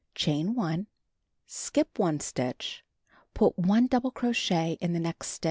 Chain 1. Skip 1 stitch. Put 1 double crochet in the next stitch.